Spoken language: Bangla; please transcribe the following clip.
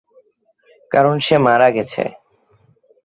কারণ, সে মারা গেছে।